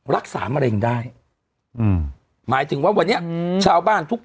รักษามะเร็งได้อืมหมายถึงว่าวันนี้ชาวบ้านทุก